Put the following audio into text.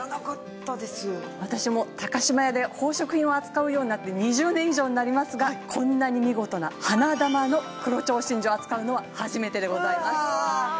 私も島屋で宝飾品を扱うようになって２０年以上になりますがこんなに見事な花珠の黒蝶真珠を扱うのは初めてでございます。